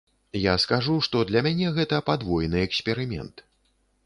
Я скажу, што для мяне гэта падвойны эксперымент.